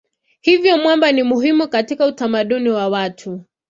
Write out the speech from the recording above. Hivyo mwamba ni muhimu katika utamaduni wa watu.